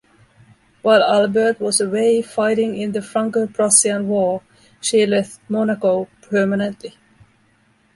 While Albert was away fighting in the Franco-Prussian war, she left Monaco permanently.